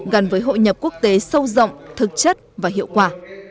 gần với hội nhập quốc tế sâu rộng thực chất và hiệu quả